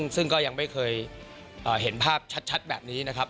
ซึ่งก็ยังไม่เคยเห็นภาพชัดแบบนี้นะครับ